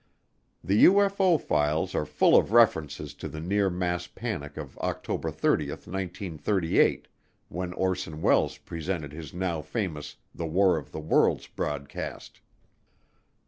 The UFO files are full of references to the near mass panic of October 30, 1938, when Orson Welles presented his now famous "The War of the Worlds" broadcast.